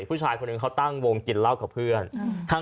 ผู้ชายคนหนึ่งเขาตั้งวงกินเหล้ากับเพื่อน